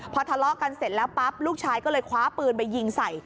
พอทะเลาะกันเสร็จแล้วปั๊บลูกชายก็เลยคว้าปืนไปยิงใส่